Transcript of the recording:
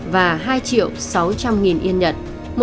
và hai triệu sáu trăm linh nghìn yên nhật